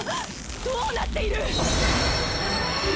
どうなっている！